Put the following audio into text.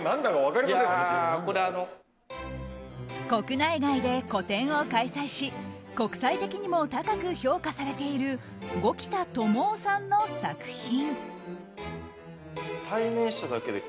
国内外で個展を開催し国際的にも高く評価されている五木田智央さんの作品。